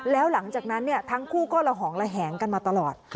แล้วหลังจากนั้นทั้งคู่ก็ระหองระแหงกันมาตลอด